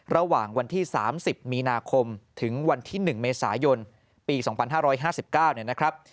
ระหว่างวันที่๓๐มีนาคมถึงวันที่๑เมษายนปี๒๕๕๙เนี่ยนะครับ